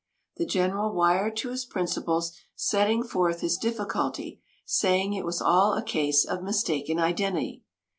The general wired to his principals, setting forth his difficulty, saying it was all a case of mistaken identity.